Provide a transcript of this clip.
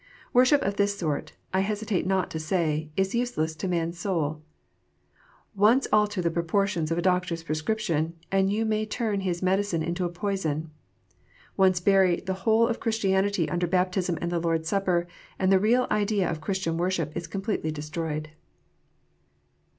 Worship of this sort, I hesitate not to say, is useless to man s soul. Once alter the proportions of a doctor s prescrip tion, and you may turn his medicine into a poison. Once bury the whole of Christianity under baptism and the Lord s Supper, and the real idea of Christian worship is completely destroyed.